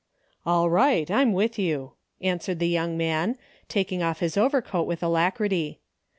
'^ ''All right, I'm with you," answered the young man, taking off his overcoat with alac rity.